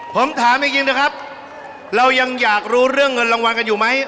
ผมถามจริงนะครับเรายังอยากรู้เรื่องเงินรางวัลกันอยู่ไหม